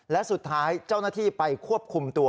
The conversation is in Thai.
และสุดท้ายเจ้าหน้าที่ไปควบคุมตัว